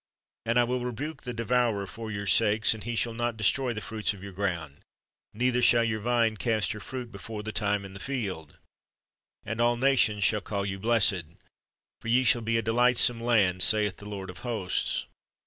And I will rebuke the devourer for your sakes, and he shall not destroy the fruits of your ground; neither shall your vine cast her fruit before the time in the field. ... And all nations shall call you blessed; for ye shall be a delightsome land, saith the Lord of hosts."'